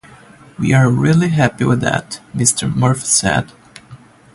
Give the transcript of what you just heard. "We're really happy with that," Mr Murphy said.